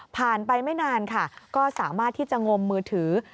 ไปไม่นานค่ะก็สามารถที่จะงมมือถือ